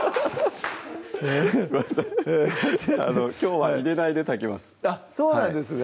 ごめんなさいきょうは入れないで炊きますそうなんですね